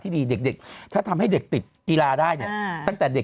ดีเด็กถ้าทำให้เด็กติดกีฬาได้เนี่ยตั้งแต่เด็ก